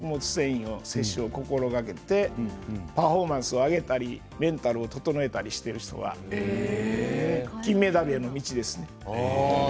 スポーツ選手の中には積極的にそういう食物繊維の摂取を心がけてパフォーマンスを上げたりメンタルを整えたりしている人が金メダルへの道ですね。